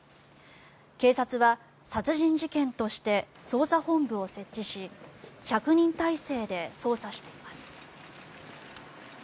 警察は殺人事件として捜査本部を設置し１００人態勢で捜査しています。